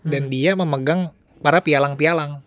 dan dia memegang para pialang pialang